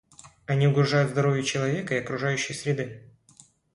Они угрожают здоровью человека и окружающей среды.